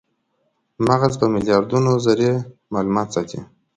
مغز په میلیاردونو ذرې مالومات ساتي.